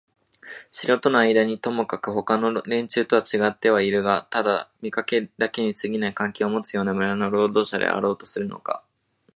城とのあいだにともかくもほかの連中とはちがってはいるがただ見かけだけにすぎない関係をもつような村の労働者であろうとするのか、